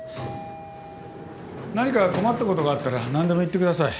何か困ったことがあったら何でも言ってください。